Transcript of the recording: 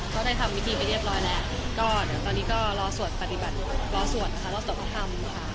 ก็ได้ทำวิธีไปเรียบร้อยแล้วตอนนี้ก็รอสวดปฏิบัติรอสวดธรรมค่ะ